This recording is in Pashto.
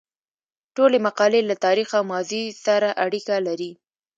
ټولې مقالې له تاریخ او ماضي سره اړیکه لري.